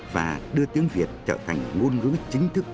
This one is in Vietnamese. và đưa tiếng việt trở thành ngôn ngữ chính thức